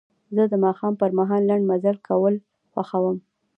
زه د ماښام پر مهال لنډ مزل کول خوښوم.